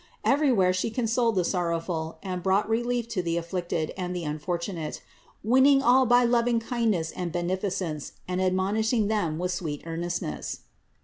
Everywhere She consoled the sorrowful and brought relief to the afflicted and the unfortunate, win ning all by loving kindness and beneficence and admon ishing them with sweet earnestness.